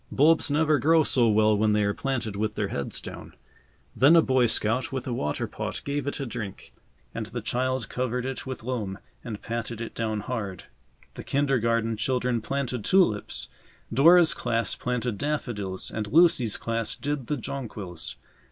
Bulbs never grow so well when they are planted with their heads down. Then a Boy Scout with a water pot gave it a drink, and the child covered it with loam and patted it down hard. The kindergarten children planted tulips. Dora's class planted daffodils and Lucy's class did the jonquils.